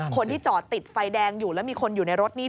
คนที่จอดติดไฟแดงอยู่แล้วมีคนอยู่ในรถนี่